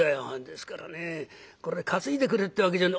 「ですからねえこれ担いでくれってわけじゃ」。